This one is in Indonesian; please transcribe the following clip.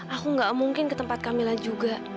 aku gak mungkin ke tempat kamila juga